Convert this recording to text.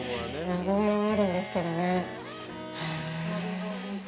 憧れはあるんですけどね。